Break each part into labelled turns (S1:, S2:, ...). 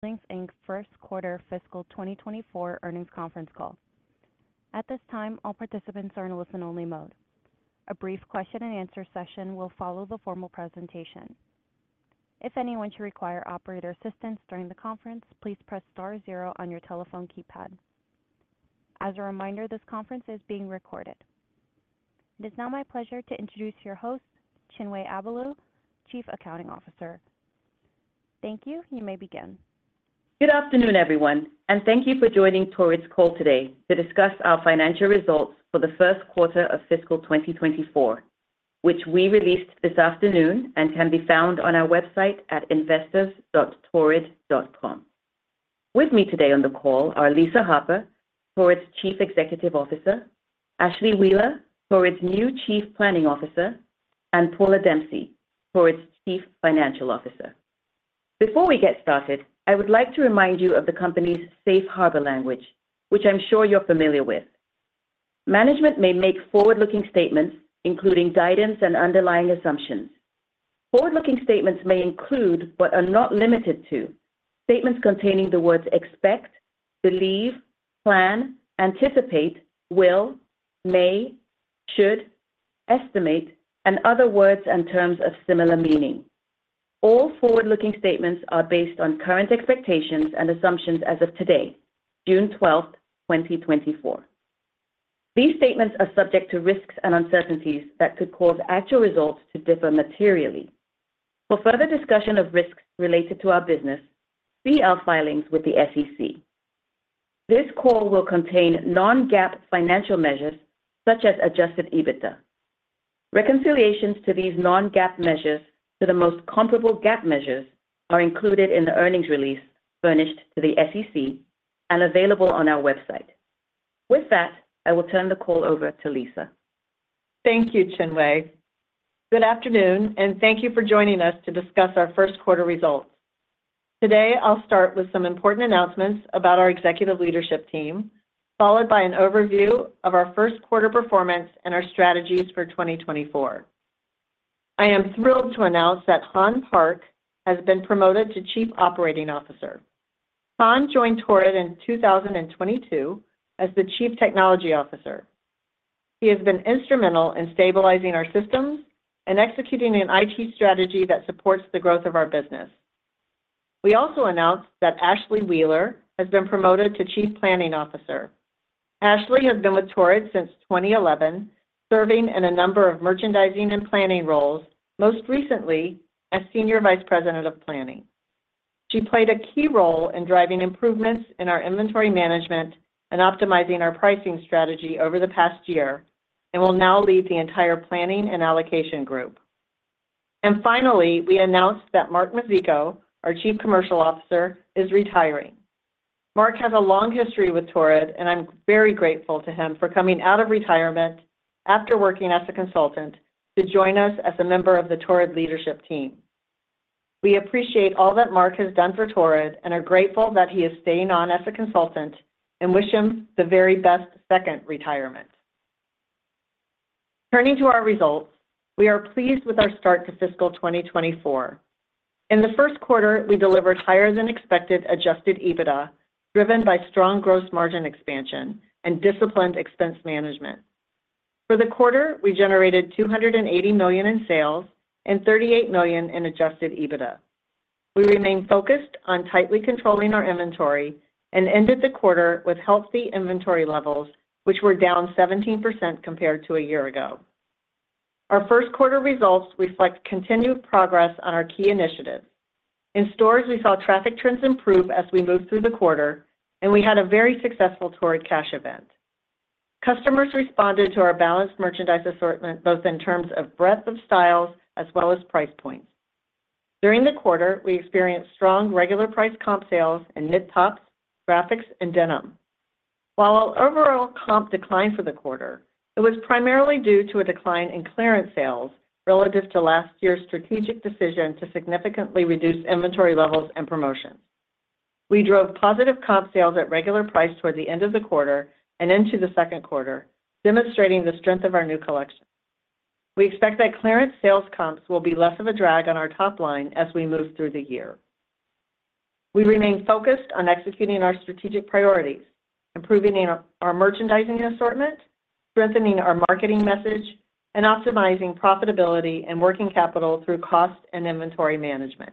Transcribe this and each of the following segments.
S1: Torrid Holdings Inc. first quarter fiscal 2024 earnings conference call. At this time, all participants are in listen-only mode. A brief question-and-answer session will follow the formal presentation. If anyone should require operator assistance during the conference, please press star zero on your telephone keypad. As a reminder, this conference is being recorded. It is now my pleasure to introduce your host, Chinwe Abaelu, Chief Accounting Officer. Thank you. You may begin.
S2: Good afternoon, everyone, and thank you for joining Torrid's call today to discuss our financial results for the first quarter of fiscal 2024, which we released this afternoon and can be found on our website at investors.torrid.com. With me today on the call are Lisa Harper, Torrid's Chief Executive Officer, Ashlee Wheeler, Torrid's new Chief Planning Officer, and Paula Dempsey, Torrid's Chief Financial Officer. Before we get started, I would like to remind you of the company's safe harbor language, which I'm sure you're familiar with. Management may make forward-looking statements, including guidance and underlying assumptions. Forward-looking statements may include, but are not limited to, statements containing the words expect, believe, plan, anticipate, will, may, should, estimate, and other words and terms of similar meaning. All forward-looking statements are based on current expectations and assumptions as of today, June 12th, 2024. These statements are subject to risks and uncertainties that could cause actual results to differ materially. For further discussion of risks related to our business, see our filings with the SEC. This call will contain non-GAAP financial measures such as Adjusted EBITDA. Reconciliations to these non-GAAP measures to the most comparable GAAP measures are included in the earnings release furnished to the SEC and available on our website. With that, I will turn the call over to Lisa.
S3: Thank you, Chinwe Abaelu. Good afternoon, and thank you for joining us to discuss our first quarter results. Today, I'll start with some important announcements about our executive leadership team, followed by an overview of our first quarter performance and our strategies for 2024. I am thrilled to announce that Han Park has been promoted to Chief Operating Officer. Han joined Torrid in 2022 as the Chief Technology Officer. He has been instrumental in stabilizing our systems and executing an IT strategy that supports the growth of our business. We also announced that Ashlee Wheeler has been promoted to Chief Planning Officer. Ashlee has been with Torrid since 2011, serving in a number of merchandising and planning roles, most recently as Senior Vice President of Planning. She played a key role in driving improvements in our inventory management and optimizing our pricing strategy over the past year and will now lead the entire planning and allocation group. And finally, we announced that Mark Mizicko, our Chief Commercial Officer, is retiring. Mark has a long history with Torrid, and I'm very grateful to him for coming out of retirement after working as a consultant to join us as a member of the Torrid leadership team. We appreciate all that Mark has done for Torrid and are grateful that he is staying on as a consultant and wish him the very best second retirement. Turning to our results, we are pleased with our start to fiscal 2024. In the first quarter, we delivered higher than expected Adjusted EBITDA, driven by strong gross margin expansion and disciplined expense management. For the quarter, we generated $280 million in sales and $38 million in Adjusted EBITDA. We remained focused on tightly controlling our inventory and ended the quarter with healthy inventory levels, which were down 17% compared to a year ago. Our first quarter results reflect continued progress on our key initiatives. In stores, we saw traffic trends improve as we moved through the quarter, and we had a very successful Torrid Cash event. Customers responded to our balanced merchandise assortment both in terms of breadth of styles as well as price points. During the quarter, we experienced strong regular price comp sales and knit tops, graphics, and denim. While overall comp declined for the quarter, it was primarily due to a decline in clearance sales relative to last year's strategic decision to significantly reduce inventory levels and promotions. We drove positive comp sales at regular price toward the end of the quarter and into the second quarter, demonstrating the strength of our new collection. We expect that clearance sales comps will be less of a drag on our top line as we move through the year. We remain focused on executing our strategic priorities, improving our merchandising assortment, strengthening our marketing message, and optimizing profitability and working capital through cost and inventory management.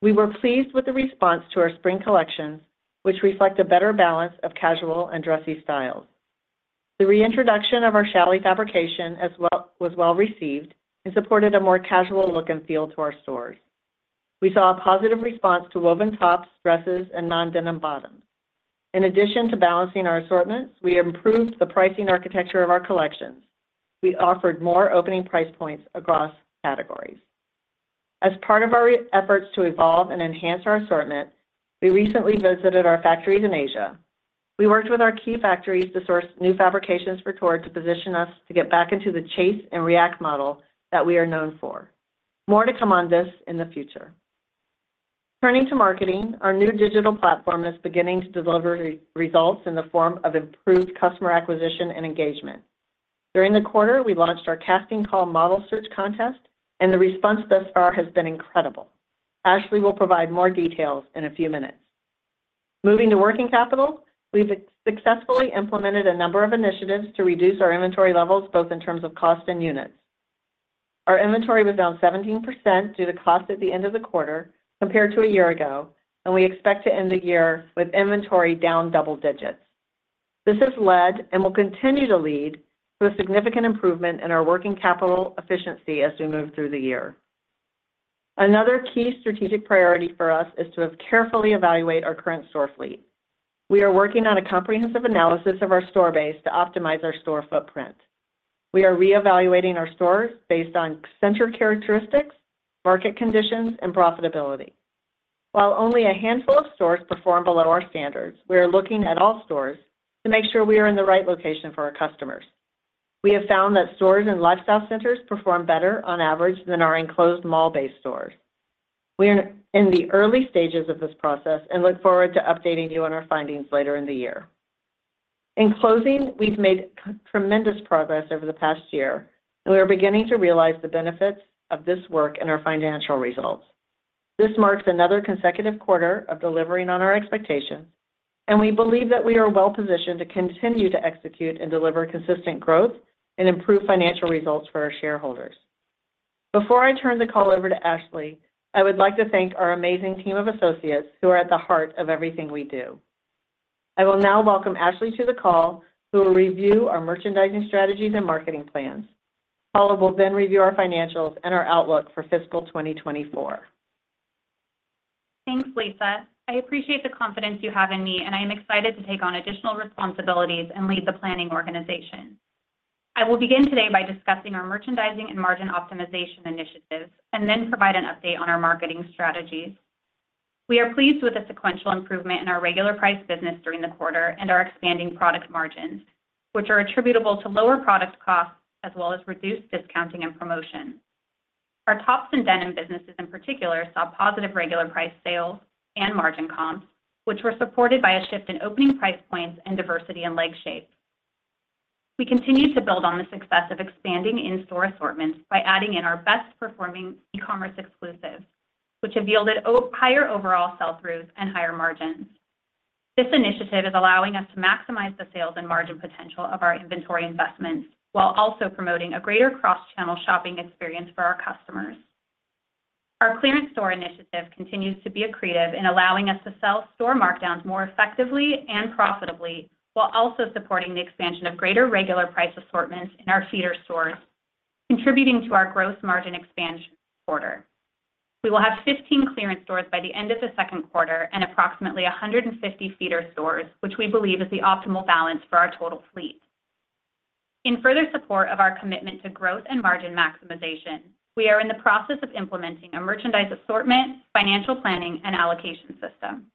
S3: We were pleased with the response to our spring collections, which reflect a better balance of casual and dressy styles. The reintroduction of our challis fabrication was well received and supported a more casual look and feel to our stores. We saw a positive response to woven tops, dresses, and non-denim bottoms. In addition to balancing our assortments, we improved the pricing architecture of our collections. We offered more opening price points across categories. As part of our efforts to evolve and enhance our assortment, we recently visited our factories in Asia. We worked with our key factories to source new fabrications for Torrid to position us to get back into the chase and react model that we are known for. More to come on this in the future. Turning to marketing, our new digital platform is beginning to deliver results in the form of improved customer acquisition and engagement. During the quarter, we launched our casting call model search contest, and the response thus far has been incredible. Ashlee will provide more details in a few minutes. Moving to working capital, we've successfully implemented a number of initiatives to reduce our inventory levels both in terms of cost and units. Our inventory was down 17% at cost at the end of the quarter compared to a year ago, and we expect to end the year with inventory down double digits. This has led and will continue to lead to a significant improvement in our working capital efficiency as we move through the year. Another key strategic priority for us is to carefully evaluate our current store fleet. We are working on a comprehensive analysis of our store base to optimize our store footprint. We are re-evaluating our stores based on center characteristics, market conditions, and profitability. While only a handful of stores perform below our standards, we are looking at all stores to make sure we are in the right location for our customers. We have found that stores in lifestyle centers perform better on average than our enclosed mall-based stores. We are in the early stages of this process and look forward to updating you on our findings later in the year. In closing, we've made tremendous progress over the past year, and we are beginning to realize the benefits of this work and our financial results. This marks another consecutive quarter of delivering on our expectations, and we believe that we are well positioned to continue to execute and deliver consistent growth and improve financial results for our shareholders. Before I turn the call over to Ashlee, I would like to thank our amazing team of associates who are at the heart of everything we do. I will now welcome Ashlee to the call, who will review our merchandising strategies and marketing plans. Paula will then review our financials and our outlook for fiscal 2024.
S4: Thanks, Lisa. I appreciate the confidence you have in me, and I am excited to take on additional responsibilities and lead the planning organization. I will begin today by discussing our merchandising and margin optimization initiatives and then provide an update on our marketing strategies. We are pleased with the sequential improvement in our regular price business during the quarter and our expanding product margins, which are attributable to lower product costs as well as reduced discounting and promotion. Our tops and denim businesses, in particular, saw positive regular price sales and margin comps, which were supported by a shift in opening price points and diversity in leg shape. We continue to build on the success of expanding in-store assortments by adding in our best-performing e-commerce exclusives, which have yielded higher overall sell-throughs and higher margins. This initiative is allowing us to maximize the sales and margin potential of our inventory investments while also promoting a greater cross-channel shopping experience for our customers. Our clearance store initiative continues to be a creative in allowing us to sell store markdowns more effectively and profitably while also supporting the expansion of greater regular price assortments in our feeder stores, contributing to our gross margin expansion quarter. We will have 15 clearance stores by the end of the second quarter and approximately 150 feeder stores, which we believe is the optimal balance for our total fleet. In further support of our commitment to growth and margin maximization, we are in the process of implementing a merchandise assortment, financial planning, and allocation system.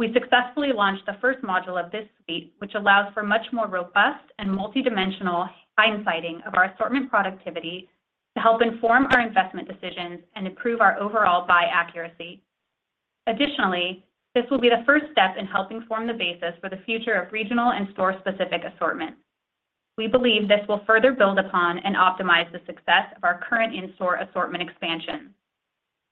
S4: We successfully launched the first module of this suite, which allows for much more robust and multi-dimensional hindsighting of our assortment productivity to help inform our investment decisions and improve our overall buy accuracy. Additionally, this will be the first step in helping form the basis for the future of regional and store-specific assortment. We believe this will further build upon and optimize the success of our current in-store assortment expansion.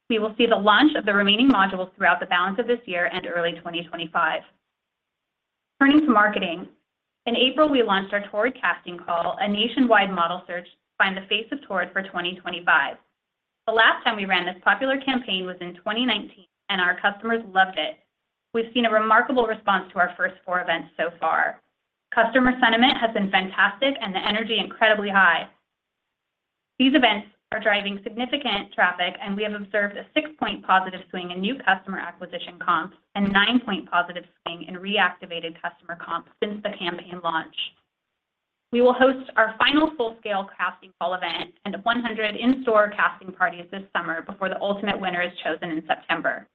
S4: We will see the launch of the remaining modules throughout the balance of this year and early 2025. Turning to marketing, in April, we launched our Torrid Casting Call, a nationwide model search to find the face of Torrid for 2025. The last time we ran this popular campaign was in 2019, and our customers loved it. We've seen a remarkable response to our first four events so far. Customer sentiment has been fantastic, and the energy is incredibly high. These events are driving significant traffic, and we have observed a 6-point positive swing in new customer acquisition comps and a 9-point positive swing in reactivated customer comps since the campaign launch. We will host our final full-scale casting call event and 100 in-store casting parties this summer before the ultimate winner is chosen in September.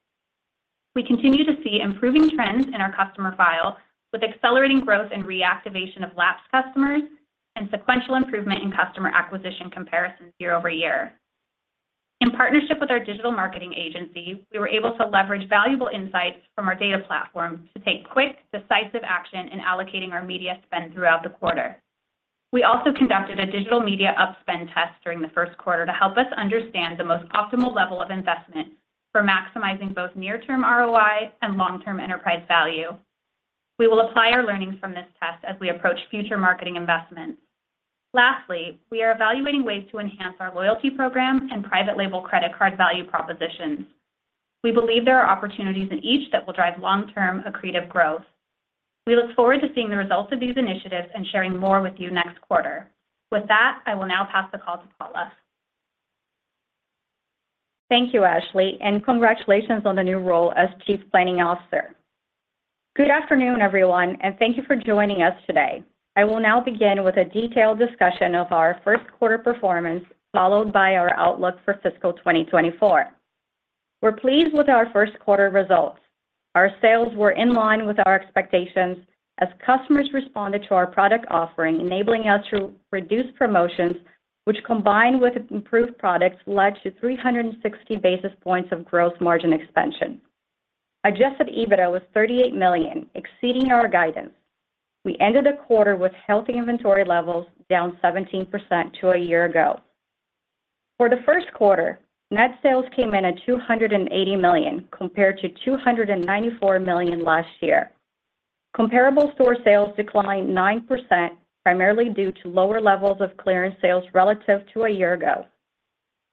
S4: We continue to see improving trends in our customer file with accelerating growth and reactivation of lapsed customers and sequential improvement in customer acquisition comparison year-over-year. In partnership with our digital marketing agency, we were able to leverage valuable insights from our data platform to take quick, decisive action in allocating our media spend throughout the quarter. We also conducted a digital media upspend test during the first quarter to help us understand the most optimal level of investment for maximizing both near-term ROI and long-term enterprise value. We will apply our learnings from this test as we approach future marketing investments. Lastly, we are evaluating ways to enhance our loyalty program and private label credit card value propositions. We believe there are opportunities in each that will drive long-term accretive growth. We look forward to seeing the results of these initiatives and sharing more with you next quarter. With that, I will now pass the call to Paula.
S5: Thank you, Ashlee, and congratulations on the new role as Chief Planning Officer. Good afternoon, everyone, and thank you for joining us today. I will now begin with a detailed discussion of our first quarter performance followed by our outlook for fiscal 2024. We're pleased with our first quarter results. Our sales were in line with our expectations as customers responded to our product offering, enabling us to reduce promotions, which, combined with improved products, led to 360 basis points of gross margin expansion. Adjusted EBITDA was $38 million, exceeding our guidance. We ended the quarter with healthy inventory levels, down 17% to a year ago. For the first quarter, net sales came in at $280 million compared to $294 million last year. Comparable store sales declined 9%, primarily due to lower levels of clearance sales relative to a year ago.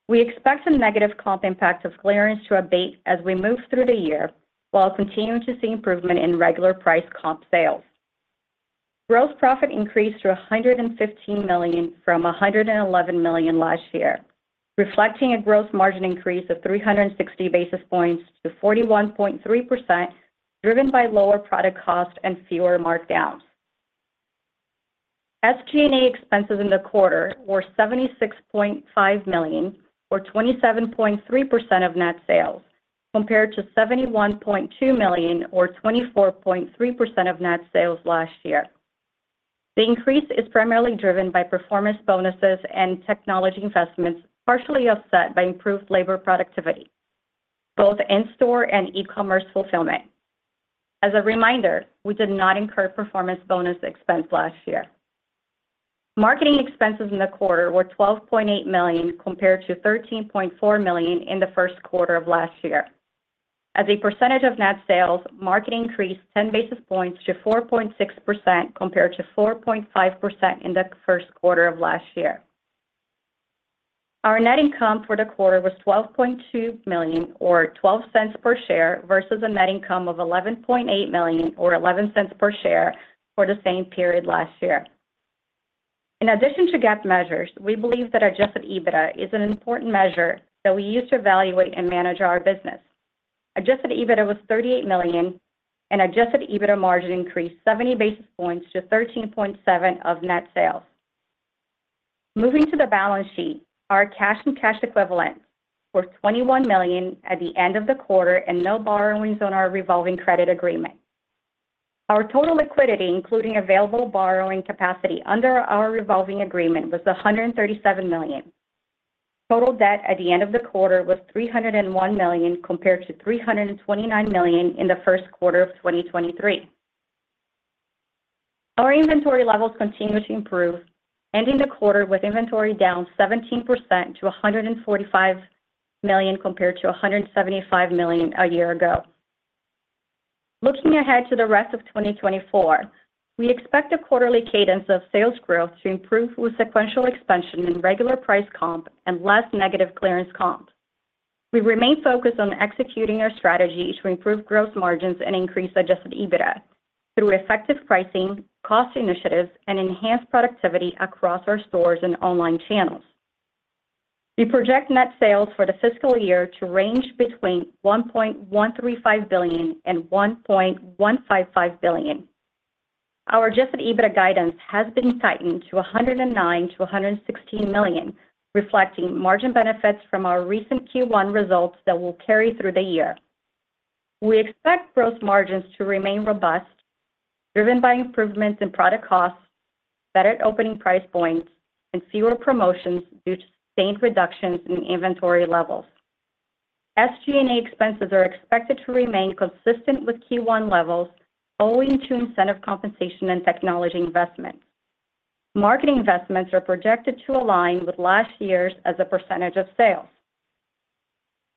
S5: We expect a negative comp impact of clearance to abate as we move through the year while continuing to see improvement in regular price comp sales. Gross profit increased to $115 million from $111 million last year, reflecting a gross margin increase of 360 basis points to 41.3%, driven by lower product cost and fewer markdowns. SG&A expenses in the quarter were $76.5 million, or 27.3% of net sales, compared to $71.2 million, or 24.3% of net sales last year. The increase is primarily driven by performance bonuses and technology investments, partially offset by improved labor productivity, both in-store and e-commerce fulfillment. As a reminder, we did not incur performance bonus expense last year. Marketing expenses in the quarter were $12.8 million compared to $13.4 million in the first quarter of last year. As a percentage of net sales, marketing increased 10 basis points to 4.6% compared to 4.5% in the first quarter of last year. Our net income for the quarter was $12.2 million, or $0.12 per share, versus a net income of $11.8 million, or $0.11 per share for the same period last year. In addition to GAAP measures, we believe that Adjusted EBITDA is an important measure that we use to evaluate and manage our business. Adjusted EBITDA was $38 million, and Adjusted EBITDA margin increased 70 basis points to 13.7% of net sales. Moving to the balance sheet, our cash and cash equivalents were $21 million at the end of the quarter and no borrowings on our revolving credit agreement. Our total liquidity, including available borrowing capacity under our revolving agreement, was $137 million. Total debt at the end of the quarter was $301 million compared to $329 million in the first quarter of 2023. Our inventory levels continue to improve, ending the quarter with inventory down 17% to $145 million compared to $175 million a year ago. Looking ahead to the rest of 2024, we expect a quarterly cadence of sales growth to improve with sequential expansion in regular price comp and less negative clearance comp. We remain focused on executing our strategy to improve gross margins and increase Adjusted EBITDA through effective pricing, cost initiatives, and enhanced productivity across our stores and online channels. We project net sales for the fiscal year to range between $1.135 billion and $1.155 billion. Our Adjusted EBITDA guidance has been tightened to $109 million-$116 million, reflecting margin benefits from our recent Q1 results that will carry through the year. We expect gross margins to remain robust, driven by improvements in product costs, better opening price points, and fewer promotions due to sustained reductions in inventory levels. SG&A expenses are expected to remain consistent with Q1 levels, all in tune to incentive compensation and technology investments. Marketing investments are projected to align with last year's as a percentage of sales.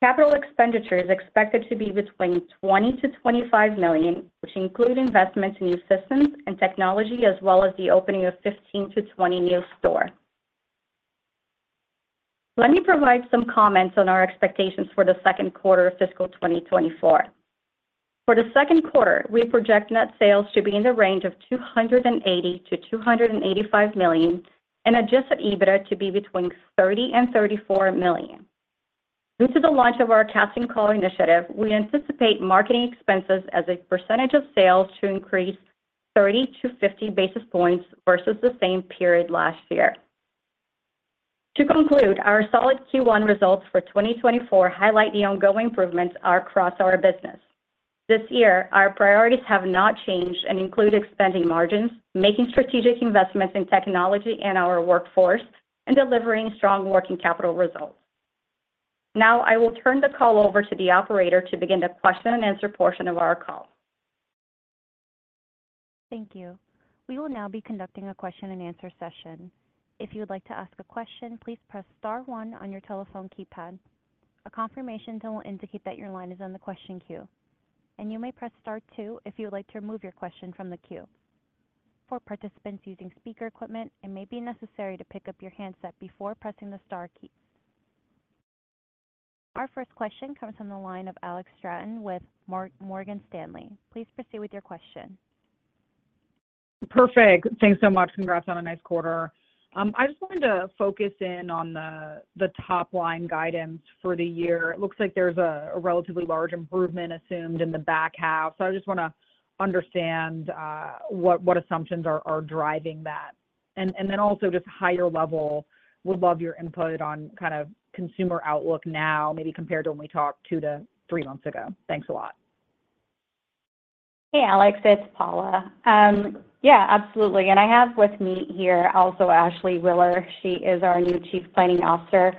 S5: Capital expenditures are expected to be $20 million-$25 million, which include investments in new systems and technology, as well as the opening of 15-20 new stores. Let me provide some comments on our expectations for the second quarter of fiscal 2024. For the second quarter, we project net sales to be in the range of $280 million-$285 million and adjusted EBITDA to be between $30 million and $34 million. Due to the launch of our Casting Call initiative, we anticipate marketing expenses as a percentage of sales to increase 30 basis points-50 basis points versus the same period last year. To conclude, our solid Q1 results for 2024 highlight the ongoing improvements across our business. This year, our priorities have not changed and include expanding margins, making strategic investments in technology and our workforce, and delivering strong working capital results. Now, I will turn the call over to the operator to begin the question-and-answer portion of our call.
S1: Thank you. We will now be conducting a question-and-answer session. If you would like to ask a question, please press star one on your telephone keypad. A confirmation will indicate that your line is on the question queue, and you may press star two if you would like to remove your question from the queue. For participants using speaker equipment, it may be necessary to pick up your handset before pressing the Star key. Our first question comes from the line of Alex Straton with Morgan Stanley. Please proceed with your question.
S6: Perfect. Thanks so much. Congrats on a nice quarter. I just wanted to focus in on the top-line guidance for the year. It looks like there's a relatively large improvement assumed in the back half. So I just want to understand what assumptions are driving that. And then also just higher level, would love your input on kind of consumer outlook now, maybe compared to when we talked two to three months ago. Thanks a lot.
S5: Hey, Alex. It's Paula. Yeah, absolutely. And I have with me here also Ashlee Wheeler. She is our new Chief Planning Officer.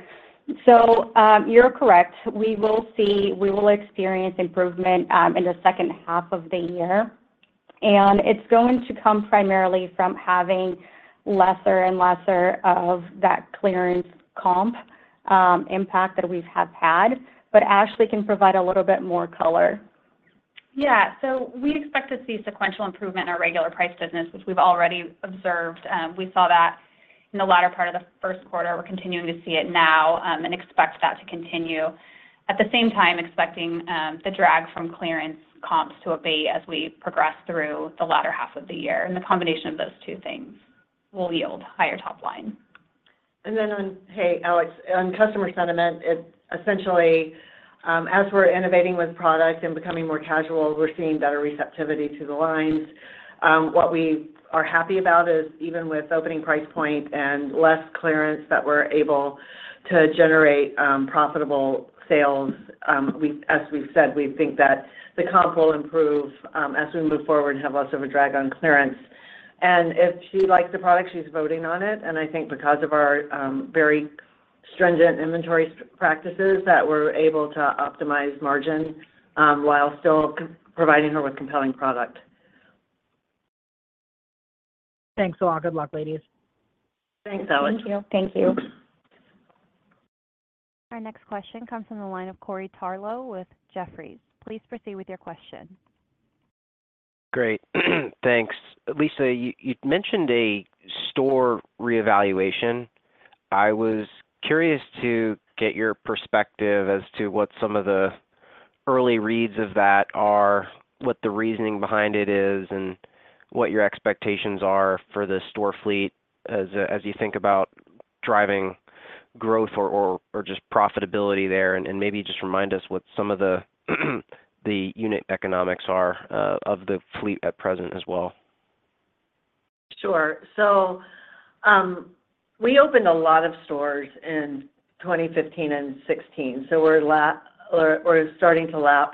S5: So you're correct. We will see we will experience improvement in the second half of the year. And it's going to come primarily from having lesser and lesser of that clearance comp impact that we've had. But Ashlee can provide a little bit more color.
S4: Yeah. We expect to see sequential improvement in our regular price business, which we've already observed. We saw that in the latter part of the first quarter. We're continuing to see it now and expect that to continue. At the same time, expecting the drag from clearance comps to abate as we progress through the latter half of the year. The combination of those two things will yield higher top line.
S3: And then on, hey, Alex, on customer sentiment, essentially, as we're innovating with product and becoming more casual, we're seeing better receptivity to the lines. What we are happy about is even with opening price point and less clearance that we're able to generate profitable sales. As we've said, we think that the comp will improve as we move forward and have less of a drag on clearance. And if she likes the product, she's voting on it. And I think because of our very stringent inventory practices that we're able to optimize margin while still providing her with compelling product.
S6: Thanks a lot. Good luck, ladies.
S3: Thanks, Alex.
S5: Thank you.
S4: Thank you.
S1: Our next question comes from the line of Corey Tarlowe with Jefferies. Please proceed with your question.
S7: Great. Thanks. Lisa, you mentioned a store reevaluation. I was curious to get your perspective as to what some of the early reads of that are, what the reasoning behind it is, and what your expectations are for the store fleet as you think about driving growth or just profitability there. Maybe just remind us what some of the unit economics are of the fleet at present as well.
S3: Sure. So we opened a lot of stores in 2015 and 2016. So we're starting to lap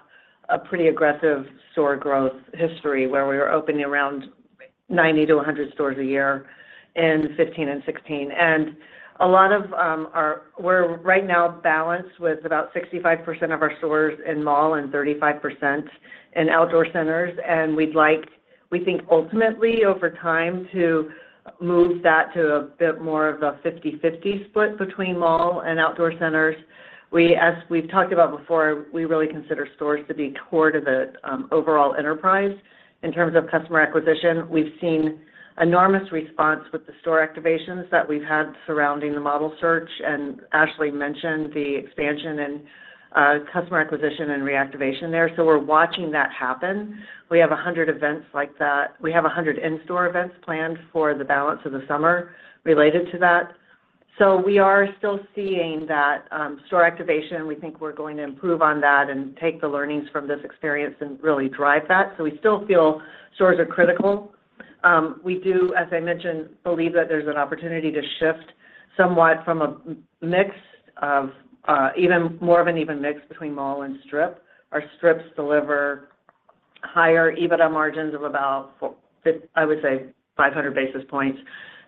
S3: a pretty aggressive store growth history where we were opening around 90-100 stores a year in 2015 and 2016. And a lot of our stores, we're right now balanced with about 65% of our stores in mall and 35% in outdoor centers. And we'd like, we think, ultimately over time to move that to a bit more of a 50/50 split between mall and outdoor centers. As we've talked about before, we really consider stores to be core to the overall enterprise in terms of customer acquisition. We've seen enormous response with the store activations that we've had surrounding the model search. And Ashlee mentioned the expansion in customer acquisition and reactivation there. So we're watching that happen. We have 100 events like that. We have 100 in-store events planned for the balance of the summer related to that. So we are still seeing that store activation. We think we're going to improve on that and take the learnings from this experience and really drive that. So we still feel stores are critical. We do, as I mentioned, believe that there's an opportunity to shift somewhat from a mix of even more of an even mix between mall and strip. Our strips deliver higher EBITDA margins of about, I would say, 500 basis points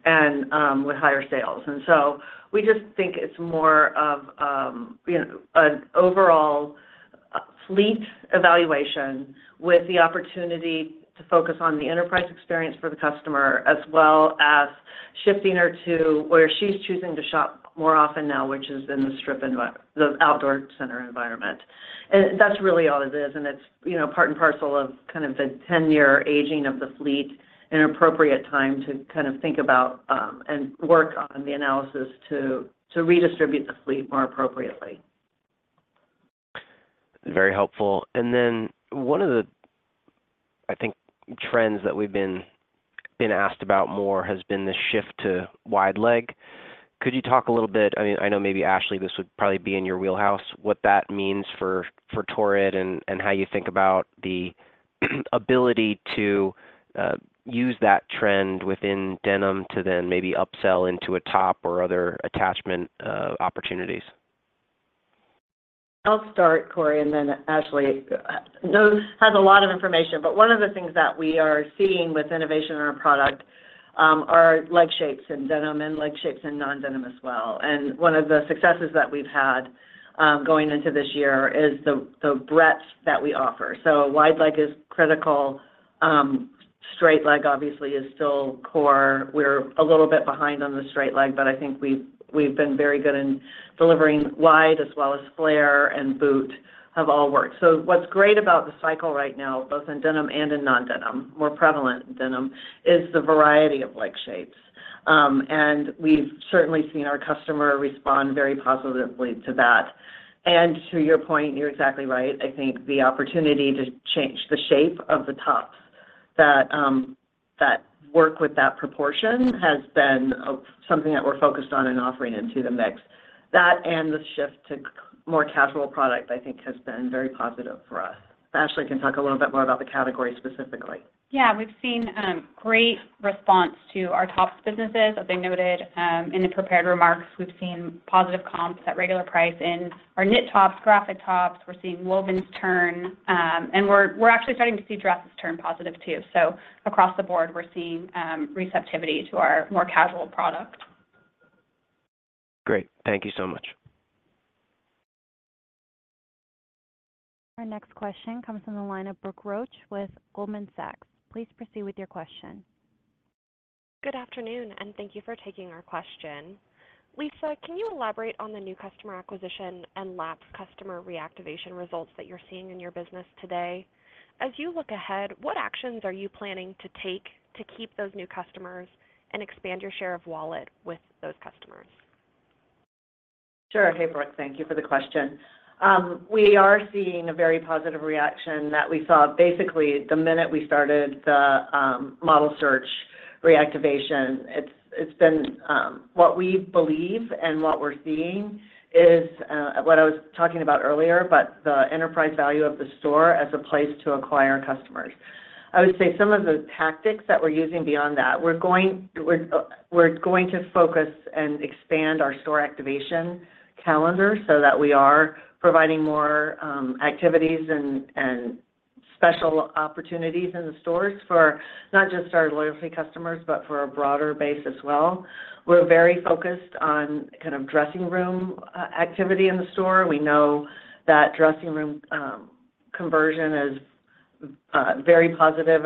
S3: and with higher sales. And so we just think it's more of an overall fleet evaluation with the opportunity to focus on the enterprise experience for the customer, as well as shifting her to where she's choosing to shop more often now, which is in the strip and the outdoor center environment. And that's really all it is. It's part and parcel of kind of the 10-year aging of the fleet and appropriate time to kind of think about and work on the analysis to redistribute the fleet more appropriately.
S7: Very helpful. And then one of the, I think, trends that we've been asked about more has been the shift to wide leg. Could you talk a little bit? I mean, I know maybe Ashlee, this would probably be in your wheelhouse, what that means for Torrid and how you think about the ability to use that trend within denim to then maybe upsell into a top or other attachment opportunities?
S3: I'll start, Corey, and then Ashlee has a lot of information. But one of the things that we are seeing with innovation in our product are leg shapes in denim and leg shapes in non-denim as well. And one of the successes that we've had going into this year is the breadth that we offer. So wide leg is critical. Straight leg, obviously, is still core. We're a little bit behind on the straight leg, but I think we've been very good in delivering wide, as well as flare and boot have all worked. So what's great about the cycle right now, both in denim and in non-denim, more prevalent in denim, is the variety of leg shapes. And we've certainly seen our customer respond very positively to that. And to your point, you're exactly right. I think the opportunity to change the shape of the tops that work with that proportion has been something that we're focused on and offering into the mix. That and the shift to more casual product, I think, has been very positive for us. Ashlee can talk a little bit more about the category specifically.
S4: Yeah. We've seen great response to our tops businesses. As I noted in the prepared remarks, we've seen positive comps at regular price in our knit tops, graphic tops. We're seeing woven turn. We're actually starting to see dresses turn positive too. Across the board, we're seeing receptivity to our more casual product.
S7: Great. Thank you so much.
S1: Our next question comes from the line of Brooke Roach with Goldman Sachs. Please proceed with your question.
S8: Good afternoon, and thank you for taking our question. Lisa, can you elaborate on the new customer acquisition and lapse customer reactivation results that you're seeing in your business today? As you look ahead, what actions are you planning to take to keep those new customers and expand your share of wallet with those customers?
S3: Sure. Hey, Brooke. Thank you for the question. We are seeing a very positive reaction that we saw basically the minute we started the model search reactivation. It's been what we believe and what we're seeing is what I was talking about earlier, but the enterprise value of the store as a place to acquire customers. I would say some of the tactics that we're using beyond that, we're going to focus and expand our store activation calendar so that we are providing more activities and special opportunities in the stores for not just our loyalty customers, but for a broader base as well. We're very focused on kind of dressing room activity in the store. We know that dressing room conversion is very positive,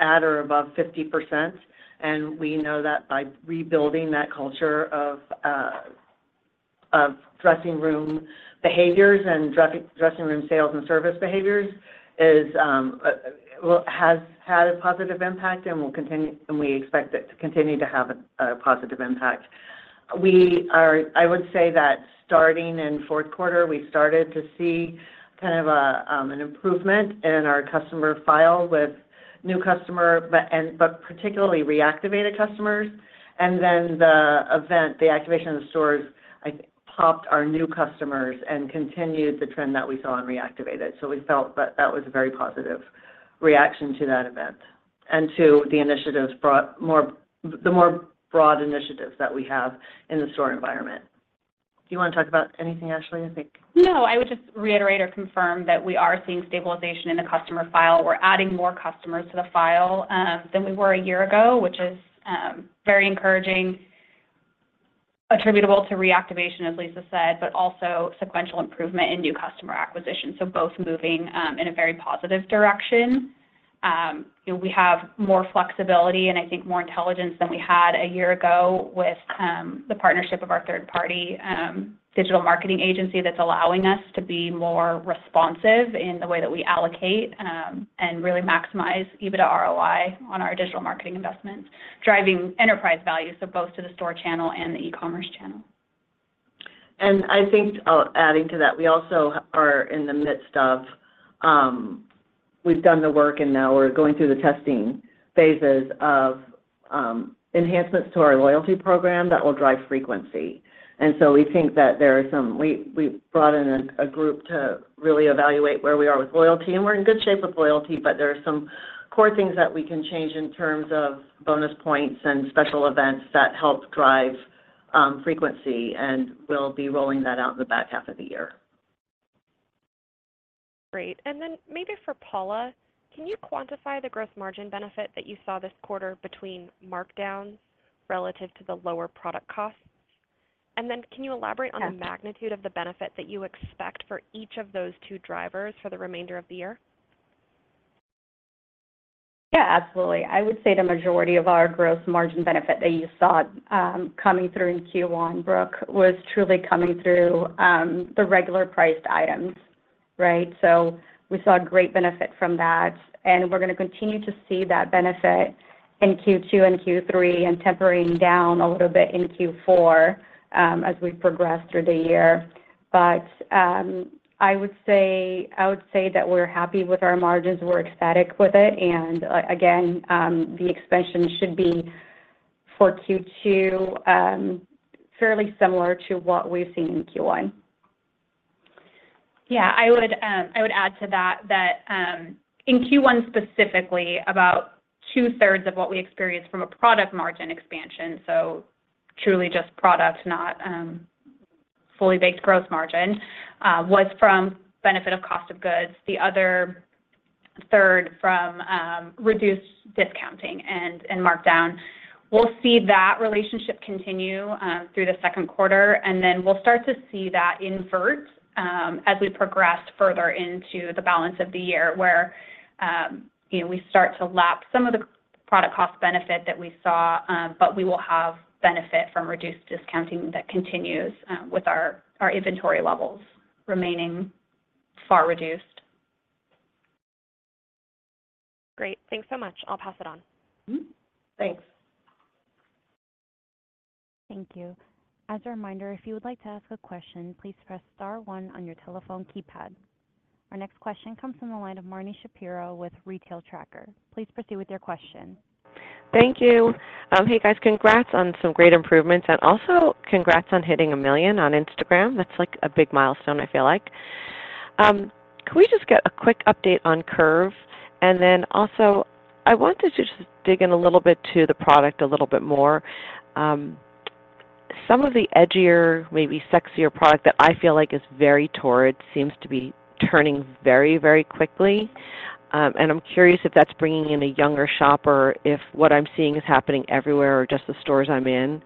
S3: at or above 50%. We know that by rebuilding that culture of dressing room behaviors and dressing room sales and service behaviors has had a positive impact and will continue, and we expect it to continue to have a positive impact. I would say that starting in fourth quarter, we started to see kind of an improvement in our customer file with new customers, but particularly reactivated customers. And then the event, the activation of the stores, I think, popped our new customers and continued the trend that we saw in reactivated. We felt that that was a very positive reaction to that event and to the initiatives, the more broad initiatives that we have in the store environment. Do you want to talk about anything, Ashlee, I think?
S4: No, I would just reiterate or confirm that we are seeing stabilization in the customer file. We're adding more customers to the file than we were a year ago, which is very encouraging, attributable to reactivation, as Lisa said, but also sequential improvement in new customer acquisition. So both moving in a very positive direction. We have more flexibility and I think more intelligence than we had a year ago with the partnership of our third-party digital marketing agency that's allowing us to be more responsive in the way that we allocate and really maximize EBITDA ROI on our digital marketing investments, driving enterprise value, so both to the store channel and the e-commerce channel.
S3: I think adding to that, we also are in the midst of. We've done the work, and now we're going through the testing phases of enhancements to our loyalty program that will drive frequency. So we think that there are some. We brought in a group to really evaluate where we are with loyalty, and we're in good shape with loyalty, but there are some core things that we can change in terms of bonus points and special events that help drive frequency, and we'll be rolling that out in the back half of the year.
S8: Great. And then maybe for Paula, can you quantify the gross margin benefit that you saw this quarter between markdowns relative to the lower product costs? And then can you elaborate on the magnitude of the benefit that you expect for each of those two drivers for the remainder of the year?
S5: Yeah, absolutely. I would say the majority of our gross margin benefit that you saw coming through in Q1, Brooke, was truly coming through the regular priced items, right? So we saw a great benefit from that. And we're going to continue to see that benefit in Q2 and Q3 and tempering down a little bit in Q4 as we progress through the year. But I would say that we're happy with our margins. We're ecstatic with it. And again, the expansion should be for Q2 fairly similar to what we've seen in Q1.
S4: Yeah. I would add to that that in Q1 specifically, about 2/3 of what we experienced from a product margin expansion, so truly just product, not fully baked gross margin, was from benefit of cost of goods. The other third from reduced discounting and markdown. We'll see that relationship continue through the second quarter. And then we'll start to see that invert as we progress further into the balance of the year where we start to lapse some of the product cost benefit that we saw, but we will have benefit from reduced discounting that continues with our inventory levels remaining far reduced.
S8: Great. Thanks so much. I'll pass it on.
S3: Thanks.
S1: Thank you. As a reminder, if you would like to ask a question, please press star one on your telephone keypad. Our next question comes from the line of Marni Shapiro with The Retail Tracker. Please proceed with your question.
S9: Thank you. Hey, guys, congrats on some great improvements. And also congrats on hitting 1 million on Instagram. That's like a big milestone, I feel like. Can we just get a quick update on Curve? And then also, I wanted to just dig in a little bit to the product a little bit more. Some of the edgier, maybe sexier product that I feel like is very Torrid seems to be turning very, very quickly. And I'm curious if that's bringing in a younger shopper, if what I'm seeing is happening everywhere or just the stores I'm in.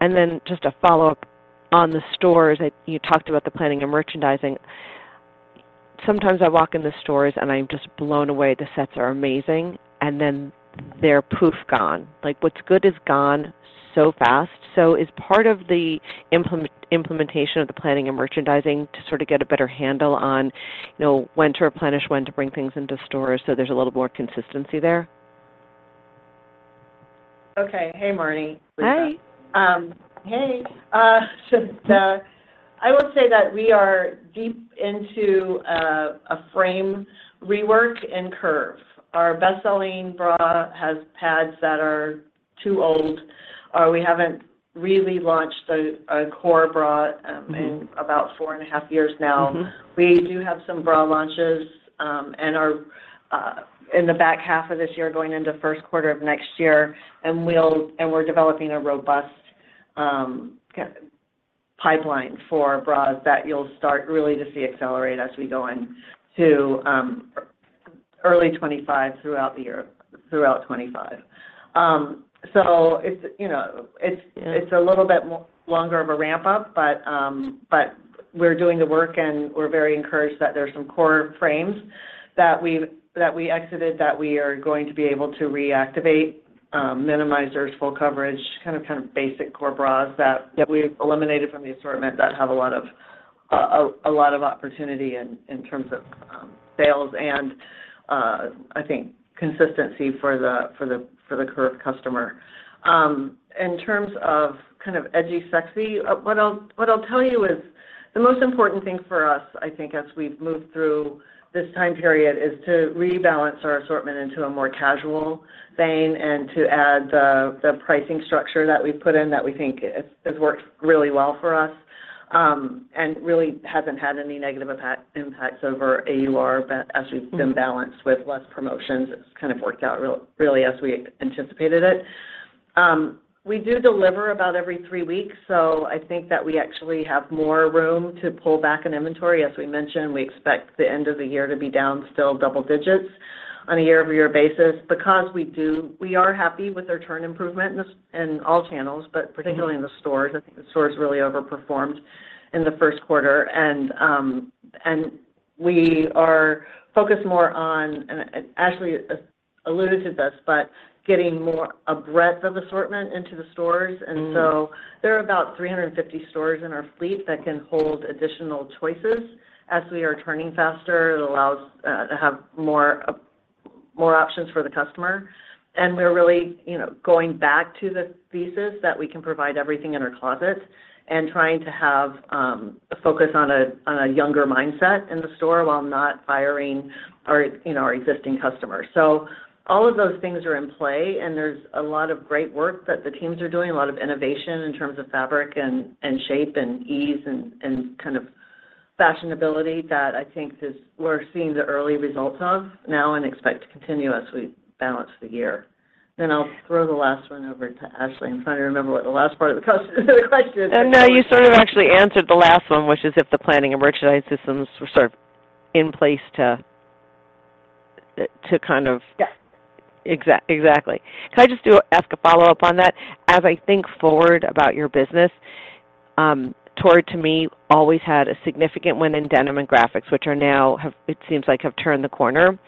S9: And then just a follow-up on the stores. You talked about the planning and merchandising. Sometimes I walk in the stores and I'm just blown away. The sets are amazing. And then they're poof gone. What's good is gone so fast. So is part of the implementation of the planning and merchandising to sort of get a better handle on when to replenish, when to bring things into stores so there's a little more consistency there?
S3: Okay. Hey, Marni.
S9: Hi.
S3: Hey. So I will say that we are deep into a frame rework and Curve. Our best-selling bra has pads that are too old. We haven't really launched a core bra in about 4.5 years now. We do have some bra launches in the back half of this year going into first quarter of next year. And we're developing a robust pipeline for bras that you'll start really to see accelerate as we go into early 2025 throughout 2025. So it's a little bit longer of a ramp-up, but we're doing the work, and we're very encouraged that there's some core frames that we exited that we are going to be able to reactivate, minimize their full coverage, kind of basic core bras that we've eliminated from the assortment that have a lot of opportunity in terms of sales and, I think, consistency for the Curve customer. In terms of kind of edgy, sexy, what I'll tell you is the most important thing for us, I think, as we've moved through this time period, is to rebalance our assortment into a more casual vein and to add the pricing structure that we've put in that we think has worked really well for us and really hasn't had any negative impacts over AUR as we've been balanced with less promotions. It's kind of worked out really as we anticipated it. We do deliver about every three weeks, so I think that we actually have more room to pull back in inventory. As we mentioned, we expect the end of the year to be down still double digits on a year-over-year basis because we are happy with our turn improvement in all channels, but particularly in the stores. I think the stores really overperformed in the first quarter. We are focused more on, and Ashlee alluded to this, but getting more breadth of assortment into the stores. So there are about 350 stores in our fleet that can hold additional choices as we are turning faster. It allows us to have more options for the customer. We're really going back to the thesis that we can provide everything in our closet and trying to have a focus on a younger mindset in the store while not firing our existing customers. All of those things are in play, and there's a lot of great work that the teams are doing, a lot of innovation in terms of fabric and shape and ease and kind of fashionability that I think we're seeing the early results of now and expect to continue as we balance the year. Then I'll throw the last one over to Ashlee.
S4: I'm trying to remember what the last part of the question is.
S9: No, you sort of actually answered the last one, which is if the planning and merchandise systems were sort of in place to kind of.
S3: Yeah.
S9: Exactly. Can I just ask a follow-up on that? As I think forward about your business, Torrid, to me, always had a significant win in denim and graphics, which are now, it seems like, have turned the corner.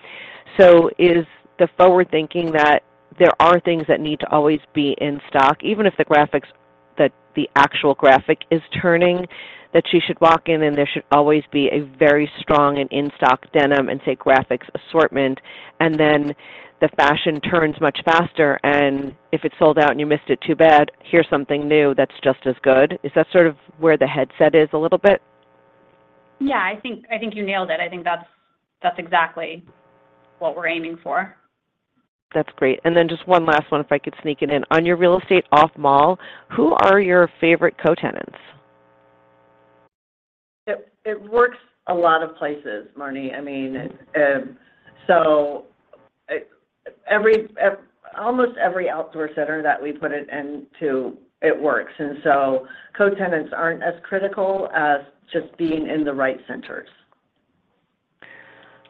S9: So is the forward-thinking that there are things that need to always be in stock, even if the actual graphic is turning, that you should walk in and there should always be a very strong and in-stock denim and, say, graphics assortment, and then the fashion turns much faster, and if it's sold out and you missed it too bad, here's something new that's just as good? Is that sort of where the headset is a little bit?
S4: Yeah, I think you nailed it. I think that's exactly what we're aiming for.
S9: That's great. And then just one last one, if I could sneak it in. On your real estate off-mall, who are your favorite co-tenants?
S3: It works a lot of places, Marni. I mean, so almost every outdoor center that we put it into, it works. And so co-tenants aren't as critical as just being in the right centers.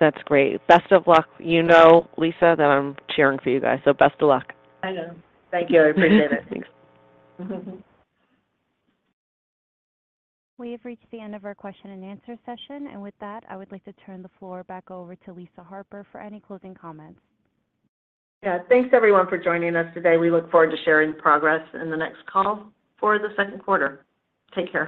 S9: That's great. Best of luck. You know, Lisa, that I'm cheering for you guys. So best of luck.
S3: I know. Thank you. I appreciate it.
S5: Thanks.
S1: We have reached the end of our question-and-answer session. And with that, I would like to turn the floor back over to Lisa Harper for any closing comments.
S3: Yeah. Thanks, everyone, for joining us today. We look forward to sharing the progress in the next call for the second quarter. Take care.